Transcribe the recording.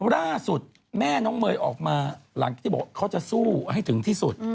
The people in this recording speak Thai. ล่าสุดแม่น้องเมย์ออกมาหลังที่บอกเขาจะสู้ให้ถึงที่สุด